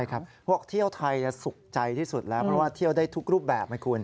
พวกเที่ยวไทยสุขใจที่สุดแล้วเพราะว่าเที่ยวได้ทุกรูปแบบไหมคุณ